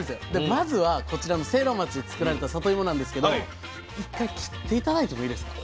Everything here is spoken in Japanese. まずはこちらの聖籠町で作られたさといもなんですけど一回切って頂いてもいいですか？